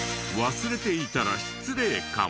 忘れていたら失礼かも。